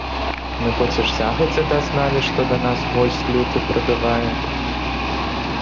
Мы бо ці ж загадзе дазналі, што да нас госць люты прыбывае?!